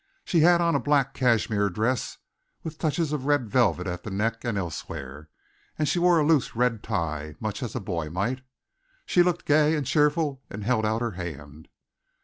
She had on a black cashmere dress with touches of red velvet at the neck and elsewhere, and she wore a loose red tie, much as a boy might. She looked gay and cheerful and held out her hand.